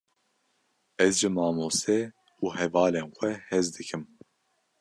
Ez ji mamoste û hevalên xwe hez dikim.